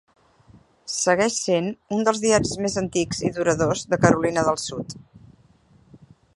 Segueix sent un dels diaris més antics i duradors de Carolina del sud.